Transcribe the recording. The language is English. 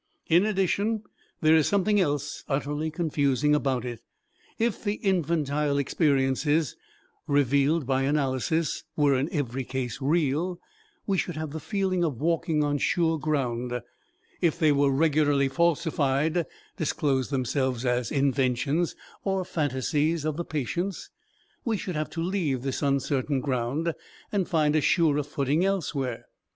In addition there is something else utterly confusing about it. If the infantile experiences, revealed by analysis, were in every case real, we should have the feeling of walking on sure ground; if they were regularly falsified, disclosed themselves as inventions or phantasies of the patients, we should have to leave this uncertain ground and find a surer footing elsewhere.